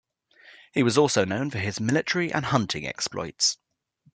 He was also known for his military and hunting exploits.